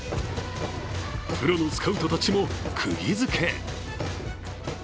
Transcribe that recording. プロのスカウトたちもくぎづけ。